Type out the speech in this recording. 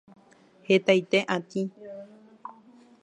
hetaite atĩ